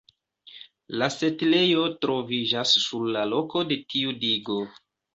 La setlejo troviĝas sur la loko de tiu digo.